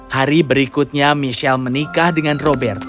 hari berikutnya michelle menikah dengan robert